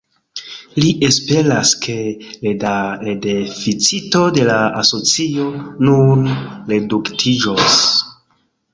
Li esperas ke la deficito de la asocio nun reduktiĝos.